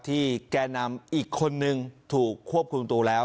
แก่นำอีกคนนึงถูกควบคุมตัวแล้ว